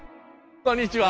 こんにちは。